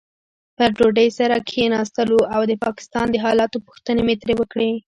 پر ډوډۍ سره کښېناستو او د پاکستان د حالاتو پوښتنې مې ترې وکړې.